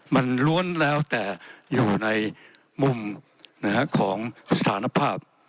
มันล้วนแล้วแต่อยู่ในมุมของสถานภาพ